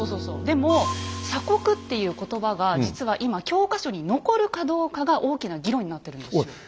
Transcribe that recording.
でも「鎖国」っていう言葉が実は今教科書に残るかどうかが大きな議論になってるんですよ。